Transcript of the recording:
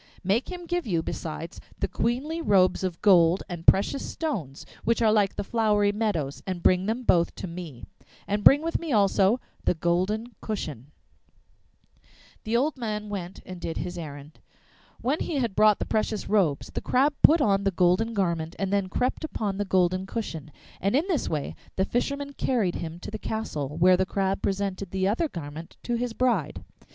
'' Make him give you, besides, the queenly robes of gold and precious stones which are like the flowery meadows, and bring them both to me. And bring me also the golden cushion.' (6) Ein Mohr. The old man went and did his errand. When he had brought the precious robes, the Crab put on the golden garment and then crept upon the golden cushion, and in this way the fisherman carried him to the castle, where the Crab presented the other garment to his bride.